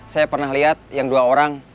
saya pernah lihat yang dua orang